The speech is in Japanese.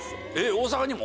大阪にも？